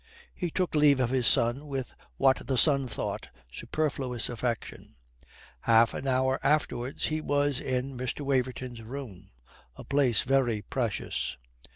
He took leave of his son with what the son thought superfluous affection. Half an hour afterwards he was in Mr. Waverton's room a place very precious.